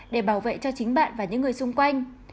để bảo vệ cho chính bạn và những người xung quanh